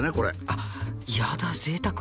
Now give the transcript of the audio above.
あっやだぜいたく。